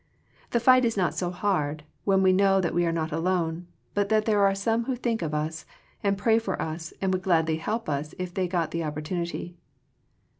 The fight is not so hard, when we know that we are not alone, but that there are some who think of us, and pray for us, and would gladly help us if they got the opportunity.